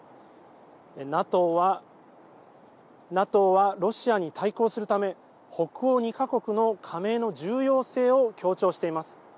ＮＡＴＯはロシアに対抗するため北欧２か国の加盟の重要性を強調しています。